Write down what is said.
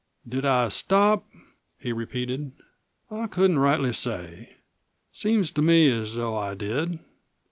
"Did I stop?" he repeated. "I couldn't rightly say. Seems to me as though I did.